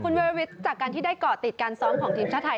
คุณวิรวิทย์จากการที่ได้เกาะติดการซ้อมของทีมชาติไทย